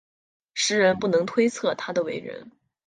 时人不能推测他的为人。